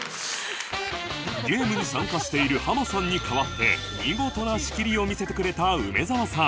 ゲームに参加しているハマさんに代わって見事な仕切りを見せてくれた梅澤さん